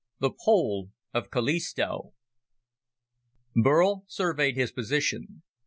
The Pole of Callisto Burl surveyed his position.